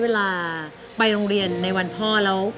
เวลาไปโรงเรียนในวันพ่อแล้ว